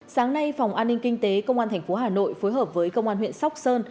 sáng nay phòng an ninh kinh tế công an tp hà nội phối hợp với công an huyện sóc sơn